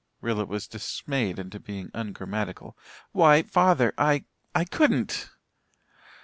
Rilla was dismayed into being ungrammatical. "Why father I I couldn't!"